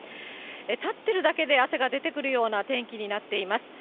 立ってるだけで汗が出てくるような天気になっています。